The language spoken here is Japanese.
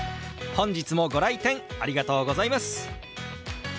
本日もご来店ありがとうございます。